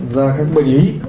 ra các bệnh lý